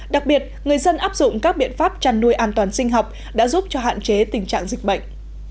đặc biệt người dân áp dụng các biện pháp chăn nuôi an toàn sinh học đã giúp cho hạn chế tình trạng dịch bệnh